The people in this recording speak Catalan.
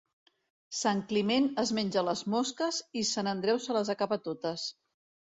Sant Climent es menja les mosques i Sant Andreu se les acaba totes.